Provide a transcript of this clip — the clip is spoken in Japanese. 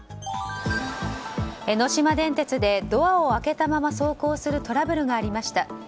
江ノ島電鉄でドアを開けたまま走行するトラブルがありました。